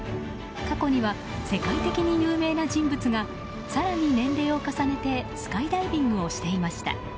過去には、世界的に有名な人物が更に年齢を重ねてスカイダイビングをしていました。